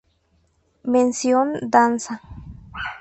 Mención Danza.